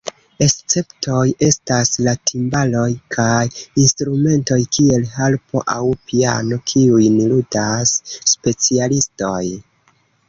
Esceptoj estas la timbaloj kaj instrumentoj kiel harpo aŭ piano, kiujn ludas specialistoj.